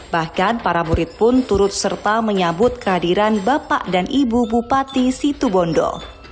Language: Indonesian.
bahkan para murid pun turut serta menyambut kehadiran bapak dan ibu bupati situ bondo